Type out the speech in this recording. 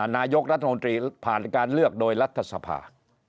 นายกรัฐมนตรีผ่านการเลือกโดยรัฐสภา